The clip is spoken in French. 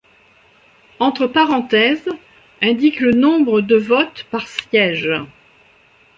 Entre parenthèses indiquent le nombre de votes par siège.